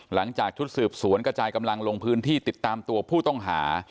หลังจากชุดสืบสวนกระจายกำลังลงพื้นที่ติดตามตัวผู้ต้องหา